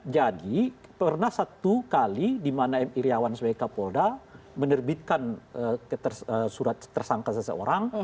jadi pernah satu kali di mana m iryawan sebagai kapolda menerbitkan surat tersangka seseorang